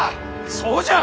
そうじゃ！